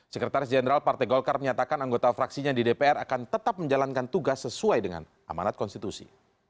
sekretaris jenderal partai golkar menyatakan anggota fraksinya di dpr akan tetap menjalankan tugas sesuai dengan amanat konstitusi